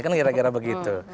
kan kira kira begitu